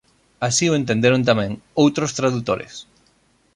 Así o entenderon tamén outros tradutores.